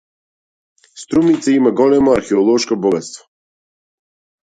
Струмица има големо археолошко богатство.